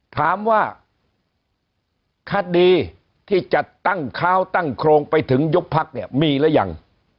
ถามว่าคดีที่จะตั้งเท้าตั้งโครงไปถึงยุบพักเนี่ยมีหรือยัง